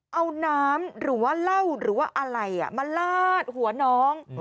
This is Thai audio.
เอาน้ำหรือว่าเหล้าหรือว่าอะไรมาลาดหัวน้อง